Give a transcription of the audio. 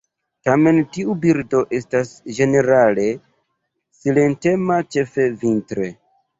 Tamen tiu birdo estas ĝenerale silentema ĉefe vintre.